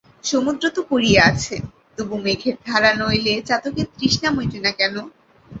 সমুদ্র তো পড়িয়া আছে, তবু মেঘের ধারা নইলে চাতকের তৃষ্ণা মেটে না কেন।